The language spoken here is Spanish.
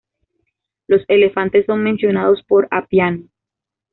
Los elefantes son mencionados por Apiano.